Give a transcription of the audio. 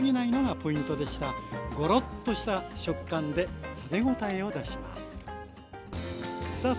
ゴロッとした食感で食べ応えを出しますさあ